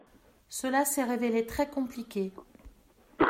Cela s’est révélé très compliqué.